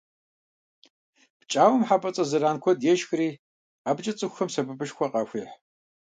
ПкӀауэм хьэпӀацӀэ зэран куэд ешхри абыкӀэ цӀыхухэм сэбэпышхуэ къахуехь.